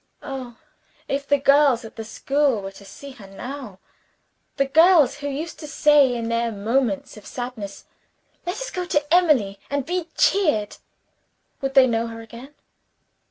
Oh, if the girls at the school were to see her now the girls who used to say in their moments of sadness, "Let us go to Emily and be cheered" would they know her again?